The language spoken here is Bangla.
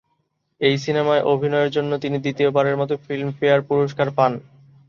এই সিনেমায় অভিনয়ের জন্য তিনি দ্বিতীয়বারের মত ফিল্মফেয়ার পুরস্কার পান।